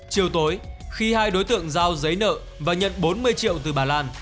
chiều tối khi hai đối tượng giao giấy nợ và nhận bốn mươi triệu từ bà lan